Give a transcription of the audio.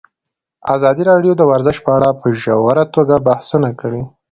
ازادي راډیو د ورزش په اړه په ژوره توګه بحثونه کړي.